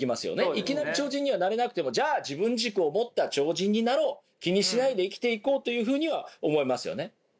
いきなり超人にはなれなくてもじゃあ自分軸を持った超人になろう気にしないで生きていこうというふうには思えますよね。